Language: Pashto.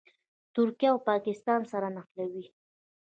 ترکیه او پاکستان سره نښلوي.